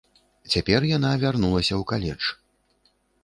Цяпер яна вярнулася ў каледж.